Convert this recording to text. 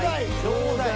「ちょーだい」？